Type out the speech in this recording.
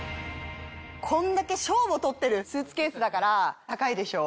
こんだけ賞も取ってるスーツケースだから高いでしょ？